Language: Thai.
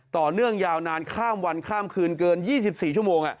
ต่อเนื่องยาวนานข้ามวันข้ามคืนเกิน๒๔ชั่วโมง